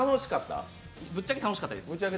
ぶっちゃけ楽しかったです。